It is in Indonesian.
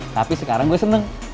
tapi sekarang gue seneng